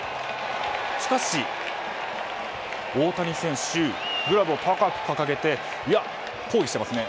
しかし、大谷選手グラブを高く掲げて抗議していますね。